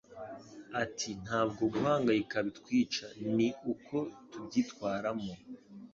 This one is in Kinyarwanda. Ati: "Ntabwo guhangayika bitwica, ni uko tubyitwaramo."